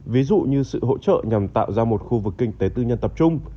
ví dụ như sự hỗ trợ nhằm tạo ra một khu vực kinh tế tư nhân tập trung